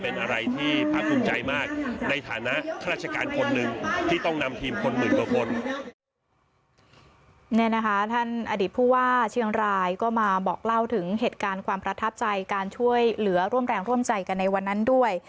นี่นะคะท่านอดีตผู้ว่าเชียงรายก็มาบอกเล่าถึงเหตุการณ์ความประทับใจการช่วยเหลือร่วมแรงร่วมใจกันในวันนั้นด้วย